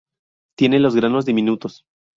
Tiene los granos diminutos.